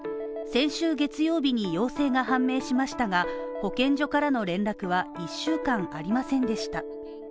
先週月曜日に陽性が判明しましたが、保健所からの連絡は１週間ありませんでした。